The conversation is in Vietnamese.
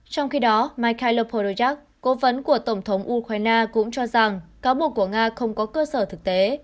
trong khi đó mikhail porochak cố vấn của tổng thống ukraine cũng cho rằng cáo buộc của nga không có cơ sở thực tế